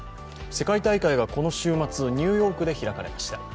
世界大会がこの週末、ニューヨークで開かれました。